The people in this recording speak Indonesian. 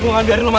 lo harus bertahan